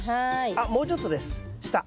あっもうちょっとです下。